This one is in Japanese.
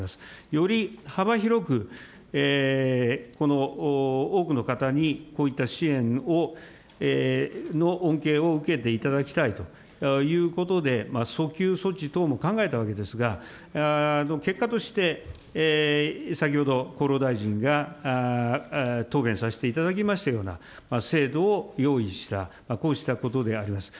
より幅広く、多くの方にこういった支援の恩恵を受けていただきたいということで、そきゅう措置等も考えたわけですが、結果として、先ほど厚労大臣が答弁させていただきましたような制度を用意した、こうしたことであります。